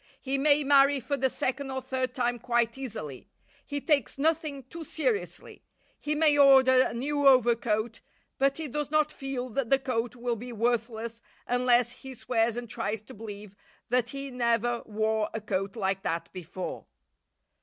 He may marry for the second or third time quite easily. He takes nothing too seriously. He may order a new overcoat, but he does not feel that the coat will be worthless unless he swears and tries to believe that he never wore a coat like that before.